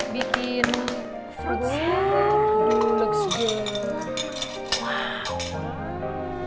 bikin fruit salad